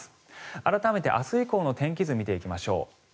改めて明日以降の天気図を見ていきましょう。